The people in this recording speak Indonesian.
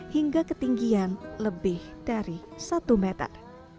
hingga ketinggian lebih dari satu meter